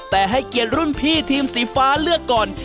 แต่ให้เกียรติรุ่นพี่ทีมสีฟ้าเลือกก่อน